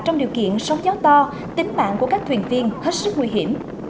trong điều kiện sóng gió to tính mạng của các thuyền viên hết sức nguy hiểm